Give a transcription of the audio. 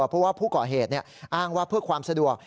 เพราะว่าผู้ก่อเหตุอ้างว่าเพื่อความสะดวก